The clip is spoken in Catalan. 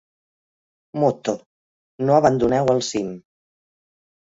Motto: "No abandoneu el cim".